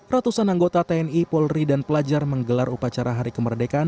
ratusan anggota tni polri dan pelajar menggelar upacara hari kemerdekaan